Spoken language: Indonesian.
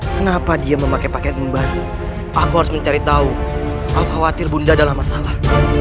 kenapa dia memakai paket membalik aku harus mencari tahu aku khawatir bunda dalam masalah